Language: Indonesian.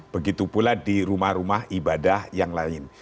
begitu pula di rumah rumah ibadah yang lain